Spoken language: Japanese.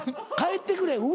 「帰ってくれ」